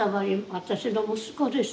私の息子です。